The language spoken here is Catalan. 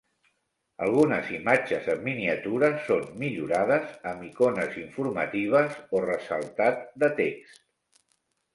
Algunes imatges en miniatura són millorades amb icones informatives o ressaltat de text.